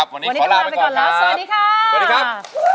วันนี้ขอลาไปก่อนครับ